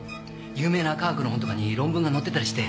有名な科学の本とかに論文が載ってたりして。